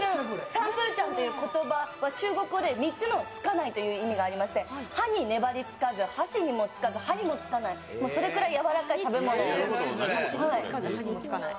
サンプーチャンって言葉は中国語で「３つのつかない」という意味がありまして、皿に粘り着かず、箸にもつかず歯にもつかないそれくらい柔らかい食べ物。